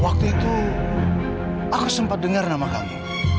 waktu itu aku sempat dengar nama kami